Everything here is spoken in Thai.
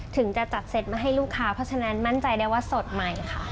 ถึงจะจัดเสร็จมาให้ลูกค้าเพราะฉะนั้นมั่นใจได้ว่าสดใหม่ค่ะ